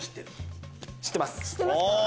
知ってますか？